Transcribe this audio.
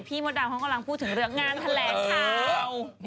มดดำเขากำลังพูดถึงเรื่องงานแถลงข่าว